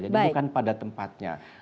jadi bukan pada tempatnya